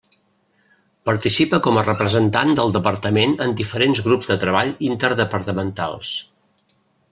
Participa com a representant del Departament en diferents grups de treball interdepartamentals.